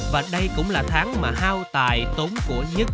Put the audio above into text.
và đây cũng là tháng mà hao tài tốn của dứt